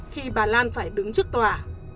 khi bà lan phải đứng trước tòa